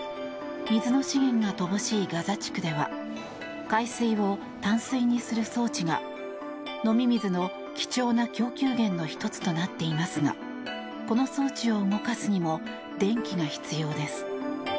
水の資源が乏しいガザ地区では海水を淡水にする装置が飲み水の貴重な供給源の１つとなっていますがこの装置を動かすにも電気が必要です。